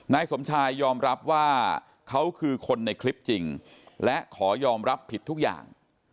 นายสมชายยอมรับว่าเขาคือคนในคลิปจริงและขอยอมรับผิดทุกอย่าง